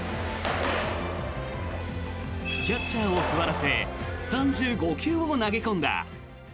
キャッチャーを座らせ３５球を投げ込んだ。